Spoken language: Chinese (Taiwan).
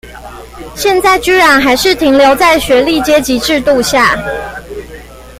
現在居然還是停留在學歷階級制度下？